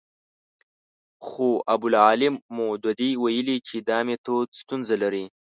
خو ابوالاعلی مودودي ویلي چې دا میتود ستونزه لري.